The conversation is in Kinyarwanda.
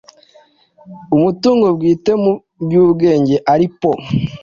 Umutungo Bwite mu by Ubwenge ARIPO